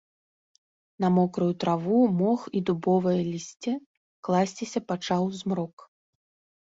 На мокрую траву, мох і дубовае лісце класціся пачаў змрок.